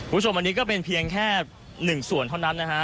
คุณผู้ชมอันนี้ก็เป็นเพียงแค่๑ส่วนเท่านั้นนะฮะ